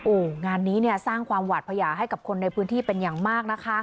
โอ้โหงานนี้เนี่ยสร้างความหวาดพญาให้กับคนในพื้นที่เป็นอย่างมากนะคะ